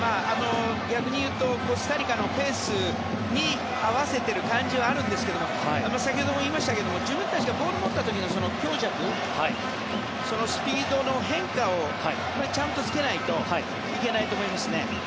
逆に言うとコスタリカのペースに合わせている感じはあるんですけども先ほども言いましたが自分たちがボールを持った時の強弱スピードの変化をちゃんとつけないといけないと思いますね。